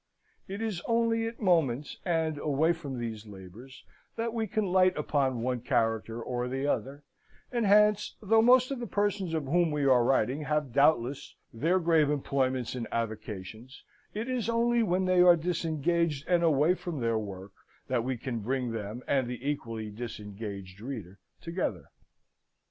It is only at moments, and away from these labours, that we can light upon one character or the other; and hence, though most of the persons of whom we are writing have doubtless their grave employments and avocations, it is only when they are disengaged and away from their work, that we can bring them and the equally disengaged reader together.